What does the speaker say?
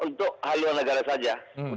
untuk halil negara saja